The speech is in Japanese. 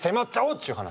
っちゅう話。